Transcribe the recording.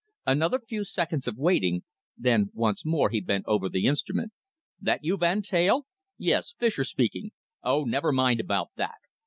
Another few seconds of waiting, then once more he bent over the instrument. "That you, Van Teyl?... Yes, Fischer speaking. Oh, never mind about that!